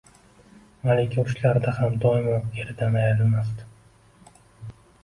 Malika urushlarda ham doimo eridan ayrilmasdi